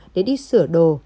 để đi sửa đồ